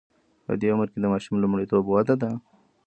په دې عمر کې د ماشوم لومړیتوب وده ده.